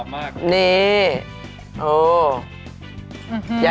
โอเคครับ